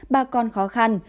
bà con khó khăn